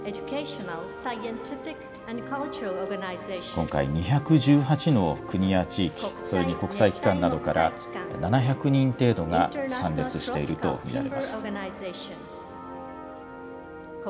今回２１８の国や地域、それに国際機関などから７００人程度が参列していると見られます。